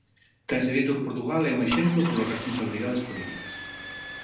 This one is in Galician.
Tense dito que Portugal é un exemplo polas responsabilidades políticas.